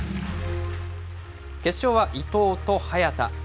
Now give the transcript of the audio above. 決勝は伊藤と早田。